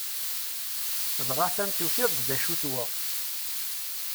Dɣa atan tufiḍ-d acu-t wa!